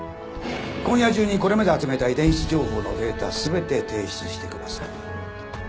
今夜中にこれまで集めた遺伝子情報のデータ全て提出してください。